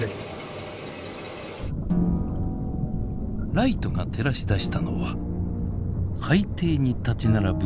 ライトが照らし出したのは海底に立ち並ぶ